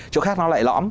chỗ khác nó lại lõm